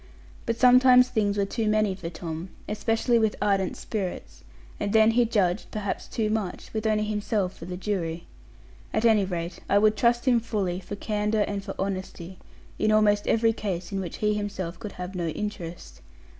But sometimes things were too many for Tom, especially with ardent spirits, and then he judged, perhaps too much, with only himself for the jury. At any rate, I would trust him fully, for candour and for honesty, in almost every case in which he himself could have no interest.